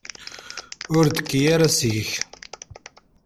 Ur d-tekki ara seg-k.